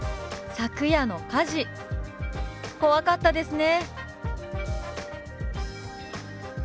「昨夜の火事怖かったですね」。